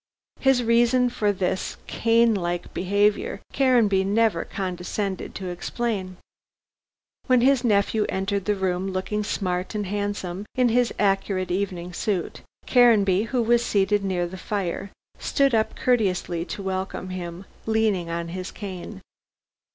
His reason for this Cainlike behavior, Caranby never condescended to explain. When his nephew entered the room, looking smart and handsome in his accurate evening suit, Caranby, who was seated near the fire, stood up courteously to welcome him, leaning on his cane.